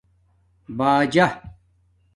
باجݳ